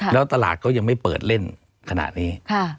แล้วตลาดก็ยังไม่เปิดเล่นขณะนี้